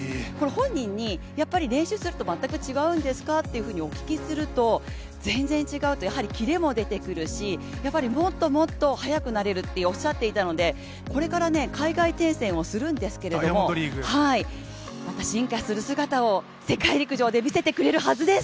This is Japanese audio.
本人に練習すると全く違うのかとお聞きすると全然違うと、やはりキレも出てくるし、やっぱりもっともっと速くなれるっておっしゃっていたのでこれから海外転戦するんですけどまた進化する姿を世界陸上で見せてくれるはずです。